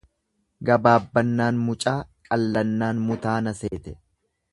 Gabaabbannaan mucaa, qallannaan mutaa na seete.